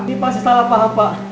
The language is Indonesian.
ini pasti salah pak